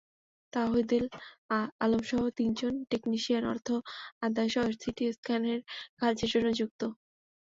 তাওহিদুল আলমসহ তিনজন টেকনিশিয়ান অর্থ আদায়সহ সিটি স্ক্যানের কাজের সঙ্গে যুক্ত।